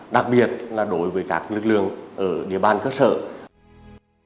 đặc biệt là đề cao vấn đề giáo dục chỉnh trí tư tượng đưa vấn đề giáo dục chỉnh trí tư tượng lên hàng đầu